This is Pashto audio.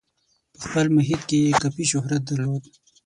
په خپل محیط کې یې کافي شهرت درلود.